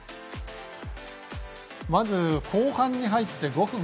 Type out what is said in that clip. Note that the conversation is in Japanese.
まず、後半に入って５分。